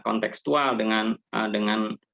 kontekstual dengan dengan